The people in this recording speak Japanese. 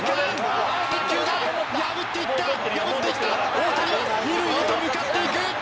大谷は二塁へと向かっていく。